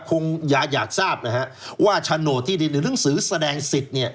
คงอยากทราบนะฮะว่าโฉนดที่ดินหรือหนังสือแสดงสิทธิ์เนี่ย